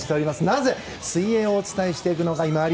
なぜ水泳をお伝えしていくのか。